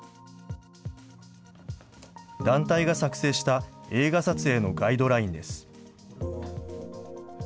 団体が作成した映画撮影のガイドラインです。